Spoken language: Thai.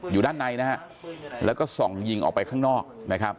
อยู่ด้านในนะฮะแล้วก็ส่องยิงออกไปข้างนอกนะครับ